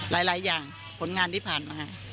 หลายอย่างผลงานที่ผ่านมา